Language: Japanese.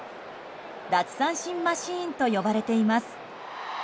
奪三振マシンと呼ばれています。